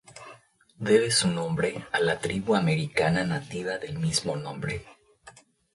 Debe su nombre a la tribu americana nativa del mismo nombre.